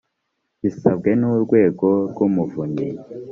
bisabwe n urwego rw umuvunyi